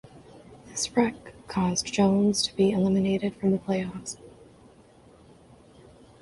This wreck caused Jones to be eliminated from the playoffs.